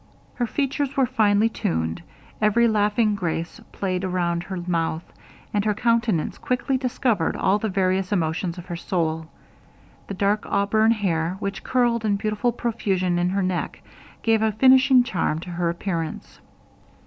Her features were finely turned every laughing grace played round her mouth, and her countenance quickly discovered all the various emotions of her soul. The dark auburn hair, which curled in beautiful profusion in her neck, gave a finishing charm to her appearance.